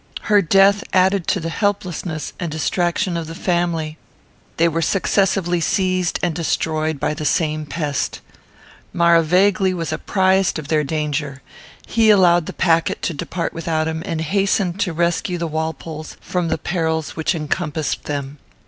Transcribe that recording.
Her death added to the helplessness and distraction of the family. They were successively seized and destroyed by the same pest. "Maravegli was apprized of their danger. He allowed the packet to depart without him, and hastened to rescue the Walpoles from the perils which encompassed them.